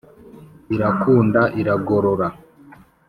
irakunda iragorora